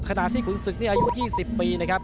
ขณะที่ขุนศึกนี่อายุ๒๐ปีนะครับ